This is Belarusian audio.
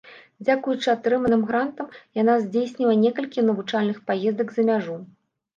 Дзякуючы атрыманым грантам яна здзейсніла некалькі навучальных паездак за мяжу.